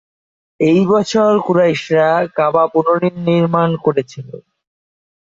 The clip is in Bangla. এই বছর কুরাইশরা কাবা পুনর্নির্মাণ করেছিল।